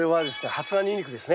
発芽ニンニクですね。